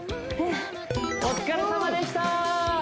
お疲れさまでした！